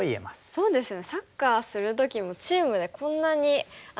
そうですね。